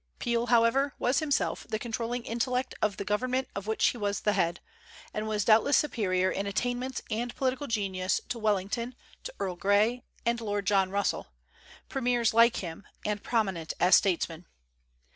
Peel, however, was himself the controlling intellect of the government of which he was the head, and was doubtless superior in attainments and political genius to Wellington, to Earl Grey, and Lord John Russell, premiers like him, and prominent as statesmen.